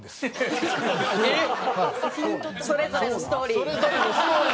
それぞれのストーリー。